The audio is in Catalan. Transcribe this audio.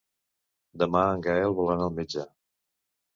Demà en Gaël vol anar al metge.